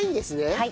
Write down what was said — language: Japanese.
はい。